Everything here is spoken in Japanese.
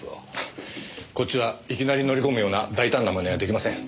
こっちはいきなり乗り込むような大胆な真似はできません。